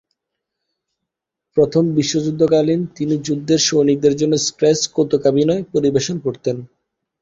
প্রথম বিশ্বযুদ্ধকালীন তিনি যুদ্ধের সৈনিকদের জন্য স্কেচ কৌতুকাভিনয় পরিবেশন করতেন।